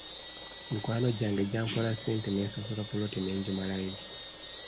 Mikwano gyange gyampola ssente ne nsasula ppoloti ne ngimalayo.